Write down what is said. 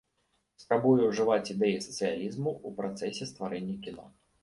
Спрабуе ўжываць ідэі сацыялізму ў працэсе стварэння кіно.